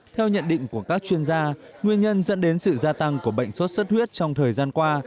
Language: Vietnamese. theo nhận định của các chuyên gia nguyên nhân dẫn đến sự gia tăng của bệnh sốt xuất huyết trong thời gian qua